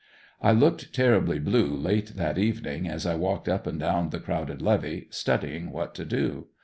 I looked terribly blue late that evening as I walked up and down the crowded levee studying what to do.